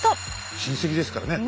親戚ですからね。